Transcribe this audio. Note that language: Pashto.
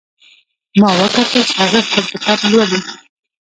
ما وکتل چې هغه خپل کتاب لولي